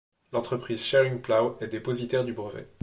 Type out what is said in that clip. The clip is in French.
L'entreprise Schering-Plough est dépositaire du brevet.